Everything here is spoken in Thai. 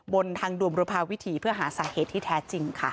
บนทางด่วนบุรพาวิถีเพื่อหาสาเหตุที่แท้จริงค่ะ